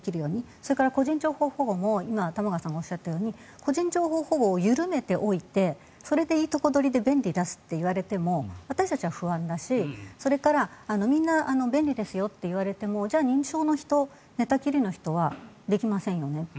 それから個人情報保護も今、玉川さんが言ったように個人情報保護を緩めておいてそれでいいとこ取りで便利ですって言われても私たちは不安だしそれからみんな、便利ですよと言われてもじゃあ認知症の人寝たきりの人はできませんよね。